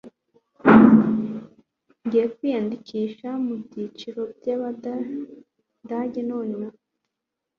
Ngiye kwiyandikisha mubyiciro byabadage nonaha.